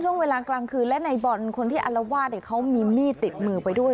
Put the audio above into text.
ช่วงเวลากลางคืนและในบอลคนที่อารวาสเขามีมีดติดมือไปด้วย